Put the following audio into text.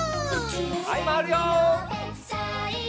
はいまわるよ。